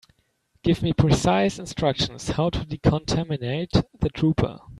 Give me precise instructions how to decontaminate the trooper.